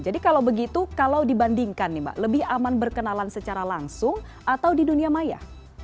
jadi kalau begitu kalau dibandingkan nih mbak lebih aman berkenalan secara langsung atau di dunia maya